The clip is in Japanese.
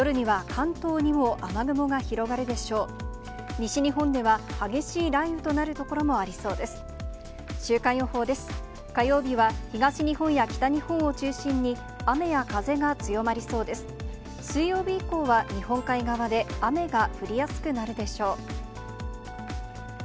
水曜日以降は日本海側で雨が降りやすくなるでしょう。